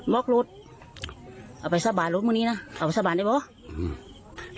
บล็อกรถเอาไปซ่าบานรถมึงนี่น่ะเอาไปซ่าบานได้ไหมอืม